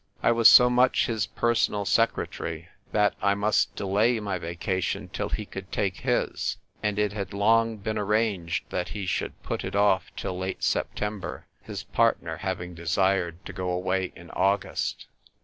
I was so much his personal secretary that I must delay my vacation till he could take his; and it had long been arranged that he should put it off till late September — his partner having desired to go away in August.